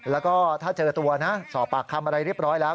แล้วก็ถ้าเจอตัวนะสอบปากคำอะไรเรียบร้อยแล้ว